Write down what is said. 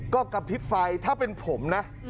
ก็กระพริบไฟถ้าเป็นผมนะ